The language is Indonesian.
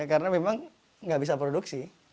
karena memang nggak bisa produksi